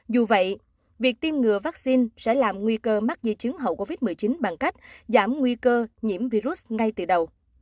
dù vậy việc tiêm ngừa vaccine sẽ làm nguy cơ mắc di chứng hậu covid một mươi chín bằng cách giảm nguy cơ nhiễm virus ngay từ đầu